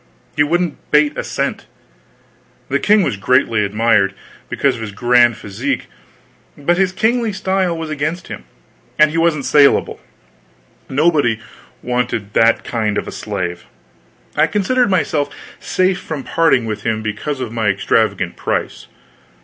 He wouldn't bate a cent. The king was greatly admired, because of his grand physique, but his kingly style was against him, and he wasn't salable; nobody wanted that kind of a slave. I considered myself safe from parting from him because of my extravagant price.